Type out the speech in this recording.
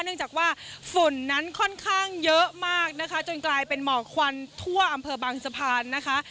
เนื่องจากว่าฝุ่นนั้นค่อนข้างเยอะมากนะคะจนกลายเป็นหมอกควันทั่วอำเภอบางสะพานนะคะ